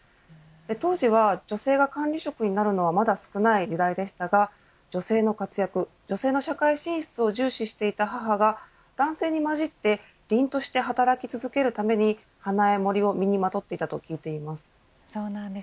当時は女性が管理職になるのはまだ少ない時代でしたが女性の活躍、女性の社会進出を重視していた母が男性にまじって凛として働き続けるためにハナエモリを身にまとっていたと聞いています。